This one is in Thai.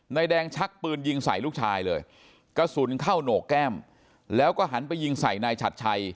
นายแดงชักปืนยิงใส่ลูกชายเลยกระสุนเข้าโหนกแก้มแล้วก็หันไปยิงใส่นายฉัดชัย